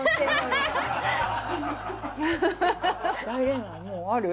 大恋愛もうある？